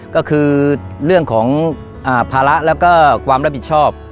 ก็คือเรื่องของภาระแล้วก็ความรับผิดชอบ